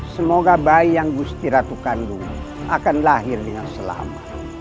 semoga bayi yang gusti ratu kandung akan lahir dengan selamat